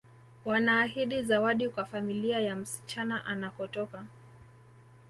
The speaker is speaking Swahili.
Wanaahidi zawadi kwa familia ya msichana anakotoka